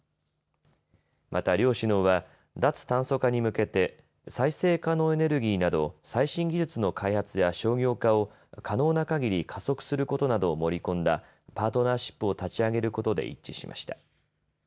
また両首脳は脱炭素化に向けて再生可能エネルギーなど最新技術の開発や商業化を可能なかぎり加速することなどを盛り込んだパートナーシップを立ち上げることで一致しました。